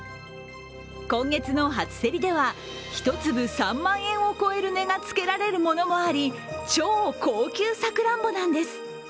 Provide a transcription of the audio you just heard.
今月の初競りでは、１粒３万円を超える値がつけられるものもあり、超高級さくらんぼなんです。